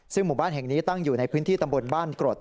ซึ่งหมู่บ้านแห่งนี้ตั้งอยู่ในพื้นที่ตำบลบ้านกรด